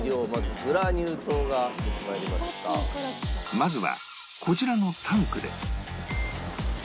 まずはこちらのタンクで